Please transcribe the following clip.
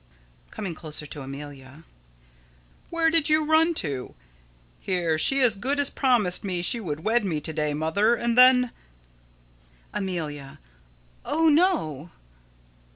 _] [Coming closer to Amelia.] Where did you run to? Here she as good as promised me she would wed me to day, Mother, and then Amelia: Oh, no!